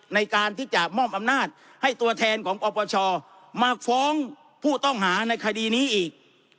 ในการที่จะมอบอำนาจให้ตัวแทนของปปชมาฟ้องผู้ต้องหาในคดีนี้อีก